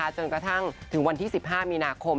จนกระทั่งถึงวันที่๑๕มีนาคม